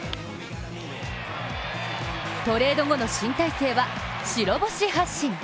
トレード後の新体制は白星発進。